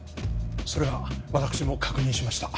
それは私も確認しました